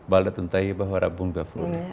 baladuntai bahwa rabu'n gafluna